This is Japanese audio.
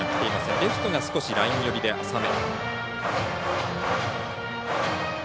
レフトがライン寄りで浅め。